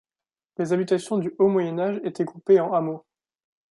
Les habitations du haut Moyen Âge étaient groupées en hameaux.